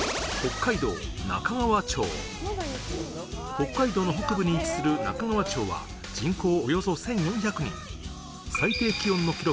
北海道の北部に位置する中川町は人口およそ１４００人最低気温の記録